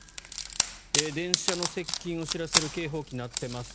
電車の接近を知らせる警報機が鳴っています。